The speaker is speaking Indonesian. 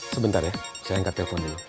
sebentar ya saya angkat telpon dulu